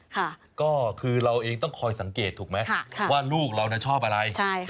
ค่ะก็คือเราเองต้องคอยสังเกตถูกไหมว่าลูกเราน่ะชอบอะไรใช่ค่ะ